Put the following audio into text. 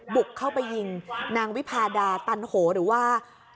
บุกเข้าไปยิงนางวิพาดาตันโหหรือว่า